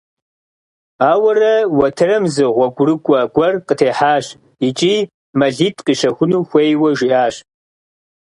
Ауэрэ уэтэрым зы гъуэгурыкӀуэ гуэр къытехьащ икӀи мэлитӀ къищэхуну хуейуэ жиӀащ.